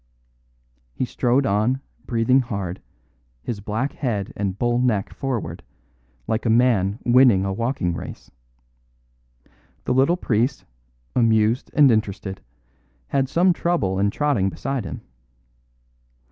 He strode on, breathing hard, his black head and bull neck forward, like a man winning a walking race. The little priest, amused and interested, had some trouble in trotting beside him.